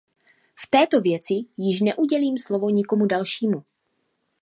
V této věci již neudělím slovo nikomu dalšímu.